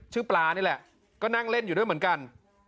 ปลานี่แหละก็นั่งเล่นอยู่ด้วยเหมือนกัน